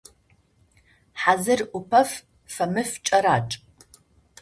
Хьазыр ӏупэф, фэмыф кӏэракӏ.